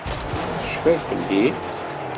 Tecfiḍ fell-i?